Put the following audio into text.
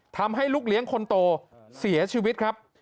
ทำให้ลูกเลี้ยงคนโตเสียชีวิตครับ